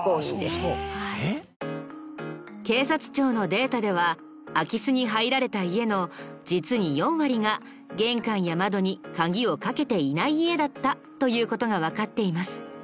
そうそう！警察庁のデータでは空き巣に入られた家の実に４割が玄関や窓に鍵をかけていない家だったという事がわかっています。